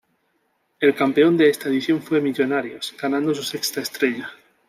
El campeón de esta edición fue Millonarios, ganando su sexta estrella.